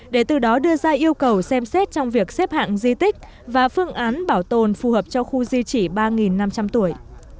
để từ đó đưa ra yêu cầu xem xét trong việc xếp hạng di tích và phương án bảo tồn phù hợp cho khu di chỉ ba năm trăm linh tuổi